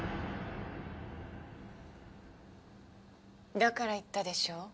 だから言ったでしょ？